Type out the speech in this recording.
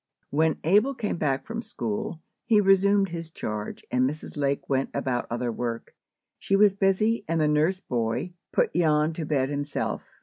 When Abel came back from school, he resumed his charge, and Mrs. Lake went about other work. She was busy, and the nurse boy put Jan to bed himself.